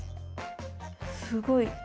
すごい。